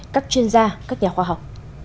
các chuyên gia các nhà khoa học